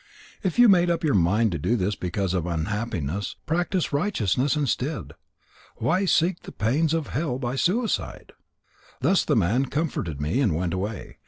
If you made up your mind to this because of unhappiness, practice righteousness instead. Why seek the pains of hell by suicide?' Thus the man comforted me and went away.